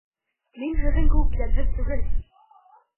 Мин һеҙҙең кеүек йәнһеҙ түгел!